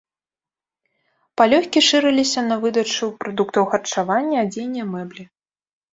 Палёгкі шырыліся на выдачу прадуктаў харчавання, адзення, мэблі.